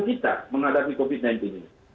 kita menghadapi covid sembilan belas ini